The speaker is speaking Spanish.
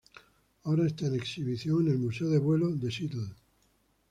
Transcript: Ahora está en exhibición en el Museo de Vuelo de Seattle.